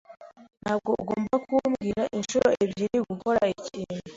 Ntabwo ugomba kubwira inshuro ebyiri gukora ikintu.